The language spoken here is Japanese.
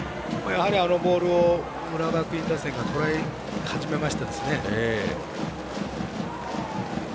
あのボールを浦和学院打線がとらえ始めましたね。